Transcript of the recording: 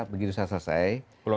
begitu saya selesai